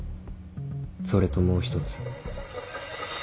それともう一つ。